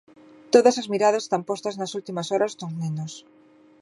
Todas as miradas están postas nas últimas horas nos nenos.